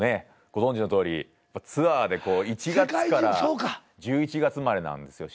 ご存じのとおりツアーでこう１月から１１月までなんですよ